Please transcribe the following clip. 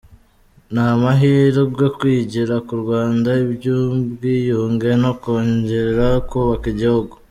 Ni amahirwe kwigira ku Rwanda iby’ubwiyunge no kongera kubaka igihugu.